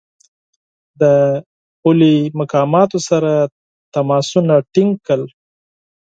د سرحد مقاماتو سره تماسونه ټینګ کړل.